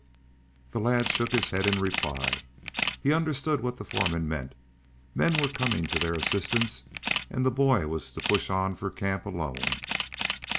The lad shook his head in reply. He understood what the foreman meant. Men were coming to their assistance and the boy was to push on for camp alone.